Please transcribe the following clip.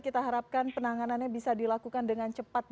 kita harapkan penanganannya bisa dilakukan dengan cepat